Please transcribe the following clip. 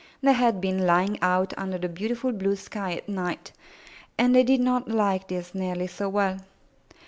They had been lying out under the beautiful blue sky at night, and they did not like this nearly so well.